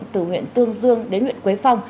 từ huyện tương dương đến huyện quế phong